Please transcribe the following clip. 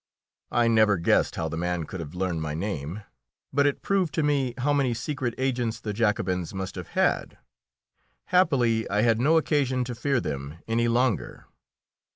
I never guessed how the man could have learned my name, but it proved to me how many secret agents the Jacobins must have had. Happily I had no occasion to fear them any longer.